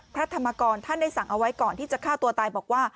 พระธรรมกรท่านได้สั่งเอาไว้ก่อนที่จะฆ่าตัวตายบอกว่า